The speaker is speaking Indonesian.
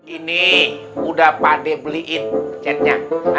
ini udah pade beliin chatnya